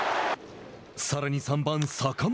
さらに、３番坂本。